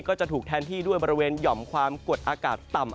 ก็จะถูกแทนที่ด้วยบริเวณหย่อมความกดอากาศต่ำ